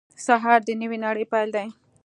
سهار د نوې نړۍ پیل دی.